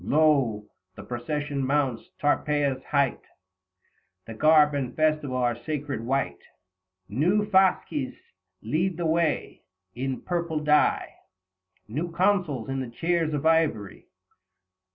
85 Lo ! the procession mounts Tarpeia's height ; The garb and festival are sacred white ; New fasces lead the way ; in purple dye New consuls in the chairs of ivory.